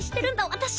私！